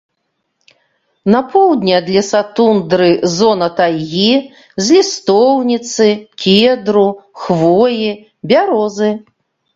На поўдні ад лесатундры зона тайгі з лістоўніцы, кедру, хвоі, бярозы.